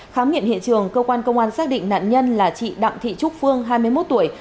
khám nghiệm hiện trường cơ quan công an xác định nạn nhân là chị đặng thị trúc phương hai mươi một tuổi